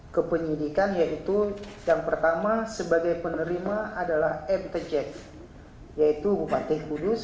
kepenyidikan yaitu yang pertama sebagai penerima adalah mtj yaitu bupati kudus